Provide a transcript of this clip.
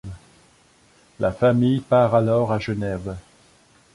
La famille part alors à Genève.